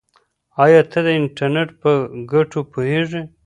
آیا ته د انټرنیټ په ګټو پوهېږې؟